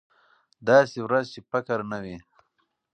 داسې ورځ چې فقر نه وي.